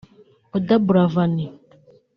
Oda buravan